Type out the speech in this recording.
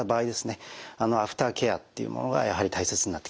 アフターケアっていうものがやはり大切になってきます。